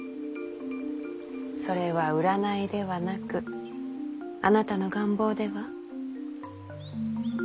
それは占いではなくあなたの願望では？